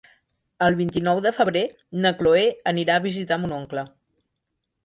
El vint-i-nou de febrer na Chloé anirà a visitar mon oncle.